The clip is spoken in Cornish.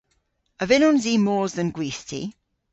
A vynnons i mos dhe'n gwithti?